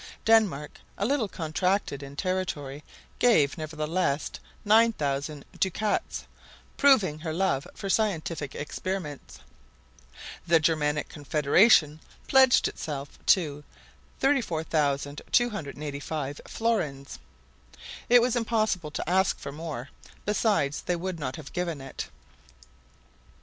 Denmark, a little contracted in territory, gave nevertheless 9,000 ducats, proving her love for scientific experiments. The Germanic Confederation pledged itself to 34,285 florins. It was impossible to ask for more; besides, they would not have given it.